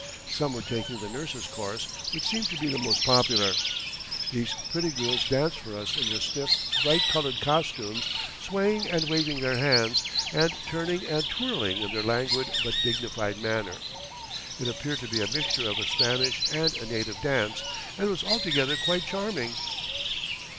Some were taking the nurses' course, which seemed to be the most popular. These pretty girls danced for us in their stiff, bright coloured costumes, swaying and waving their hands, and turning and twirling in their languid but dignified manner. It appeared to be a mixture of a Spanish and a native dance, and was altogether quite charming.